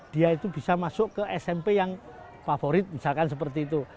dia itu bisa masuk ke smp yang favorit misalkan seperti itu